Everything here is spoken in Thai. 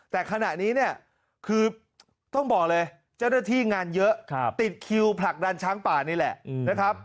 แต่ขณะนี้เนี่ยคือต้องบอกเลยเจ้าหน้าที่งานเยอะติดคิวผลักดันช้างป่านี่แหละนะครับ